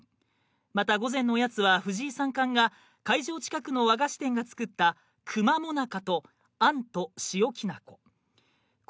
また、午前のおやつは藤井三冠が会場近くの和菓子店が作ったくま最中とあんと塩きなこ。